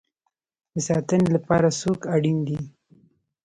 د ساتنې لپاره څوک اړین دی؟